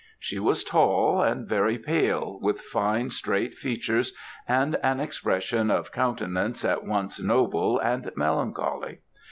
She was tall and very pale, with fine, straight features, and an expression of countenance at once noble and melancholy.